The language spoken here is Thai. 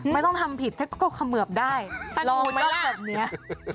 ไม่ต้องทำผิดถ้าก็เขมือบได้ลองไหมล่ะ